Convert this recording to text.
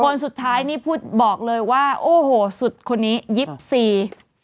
คนสุดท้ายนี่พูดบอกเลยว่าโอ้โหสุดคนนี้ยิบซี